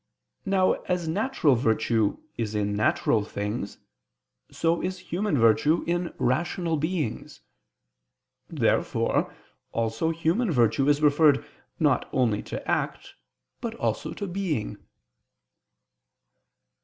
Now as natural virtue is in natural things, so is human virtue in rational beings. Therefore also human virtue is referred not only to act, but also to being.